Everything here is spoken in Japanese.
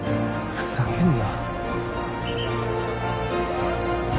ふざけんな